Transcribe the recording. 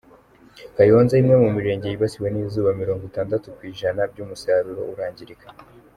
Kayonza Imwe mu mirenge yibasiwe n’izuba mirongwitandatu kw’ ijana by’umusaruro urangirika